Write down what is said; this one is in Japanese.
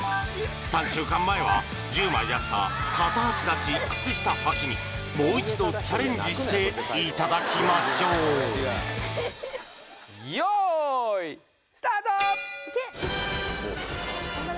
３週間前は１０枚だった片足立ち靴下はきにもう一度チャレンジしていただきましょう用意スタート！